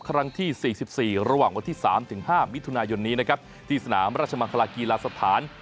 ครั้งที่๔๔ระหว่างวันที่๓ถึง๕มิถุนายนนี้นะครับที่สนามราชมังคลากีฬาสถาน